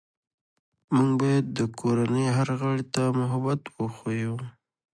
موږ باید د کورنۍ هر غړي ته محبت وښیو